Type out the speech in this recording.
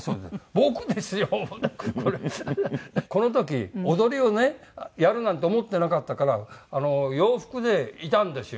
この時踊りをねやるなんて思ってなかったから洋服でいたんですよ。